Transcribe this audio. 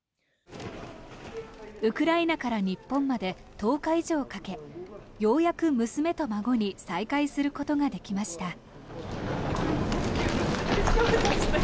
ウクライナから日本まで１０日以上かけようやく娘と孫に再会することができました。